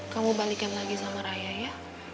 kamu balikin lagi sama raya ya